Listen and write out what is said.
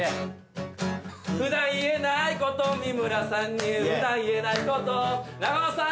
普段言えないこと三村さんに普段言えないこと中岡さん